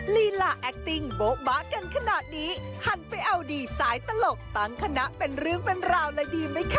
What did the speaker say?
ลีลาแอคติ้งโบ๊บะกันขนาดนี้หันไปเอาดีสายตลกตั้งคณะเป็นเรื่องเป็นราวเลยดีไหมคะ